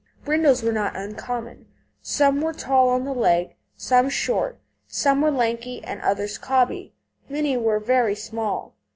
Brindles were not uncommon. Some were tall on the leg, some short; some were lanky and others cobby; many were very small.